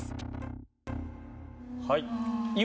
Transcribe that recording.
はい。